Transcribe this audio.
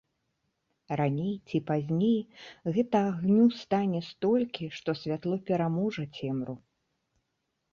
Раней ці пазней гэтага агню стане столькі, што святло пераможа цемру.